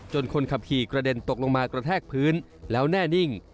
คนขับขี่กระเด็นตกลงมากระแทกพื้นแล้วแน่นิ่ง